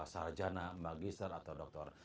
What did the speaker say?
sarjana magister atau dokter